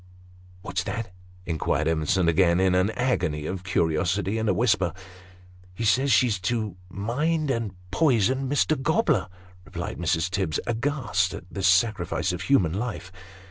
"What's that?" inquired Evensou again, in an agony of curiosity and a whisper. " He says she's to mind and poison Mr. Gobler," replied Mrs. Tibbs, aghast at this sacrifice of human life.